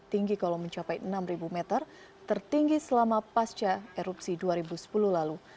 tinggi kalau mencapai enam meter tertinggi selama pasca erupsi dua ribu sepuluh lalu